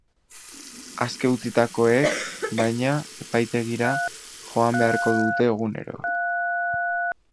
Aske utzitakoek, baina, epaitegira joan beharko dute egunero.